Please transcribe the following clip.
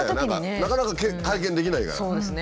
なかなか体験できないから。